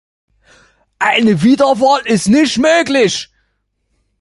Eine Wiederwahl ist nicht möglich.